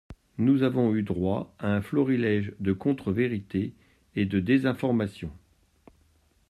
Nous avons eu droit à un florilège de contre-vérités et de désinformation.